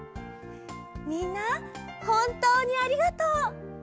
みんなほんとうにありがとう。